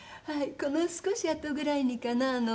この少しあとぐらいにかな？